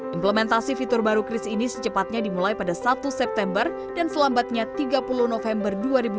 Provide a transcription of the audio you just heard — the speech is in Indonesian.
implementasi fitur baru kris ini secepatnya dimulai pada satu september dan selambatnya tiga puluh november dua ribu dua puluh